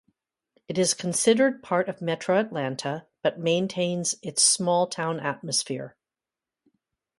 It is considered part of metro Atlanta but maintains its small town atmosphere.